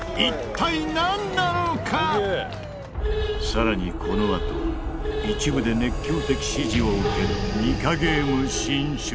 さらにこのあと一部で熱狂的支持を受けるニカゲーム新章。